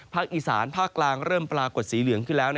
อีสานภาคกลางเริ่มปรากฏสีเหลืองขึ้นแล้ว